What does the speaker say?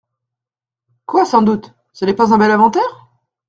Quoi, sans doute ? ce n’est pas un bel inventaire ?